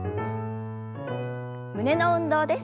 胸の運動です。